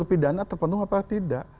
ada yang berbentuk apa tidak